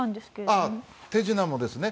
ああ手品もですね。